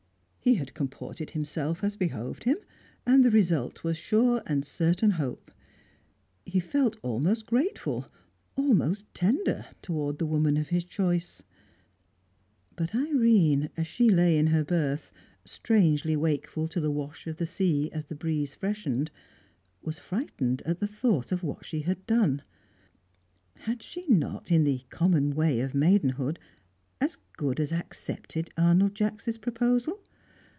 He had comported himself as behoved him, and the result was sure and certain hope. He felt almost grateful, almost tender, towards the woman of his choice. But Irene as she lay in her berth, strangely wakeful to the wash of the sea as the breeze freshened, was frightened at the thought of what she had done. Had she not, in the common way of maidenhood, as good as accepted Arnold Jacks' proposal?